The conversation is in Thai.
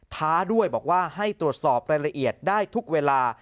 ท้าด้วยบอกว่าให้ตรวจสอบรายละเอียดได้ทุกเวลา